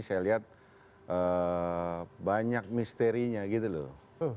saya lihat banyak misterinya gitu loh